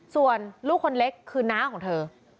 ส่วนลูกคนเล็กคือน้าของเธอ